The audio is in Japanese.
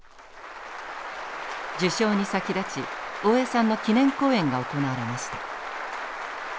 受賞に先立ち大江さんの記念講演が行われました。